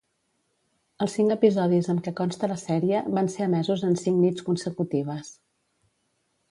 Els cinc episodis amb què consta la sèrie van ser emesos en cinc nits consecutives.